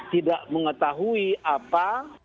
tidak mengetahui apa